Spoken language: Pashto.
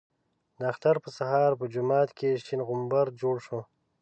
د اختر په سهار په جومات کې شین غومبر جوړ شو.